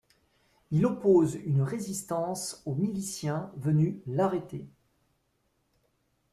Il oppose une résistance aux miliciens venus l'arrêter.